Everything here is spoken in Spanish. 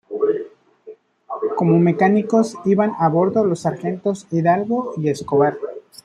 Como mecánicos iban a bordo los sargentos Hidalgo y Escobar.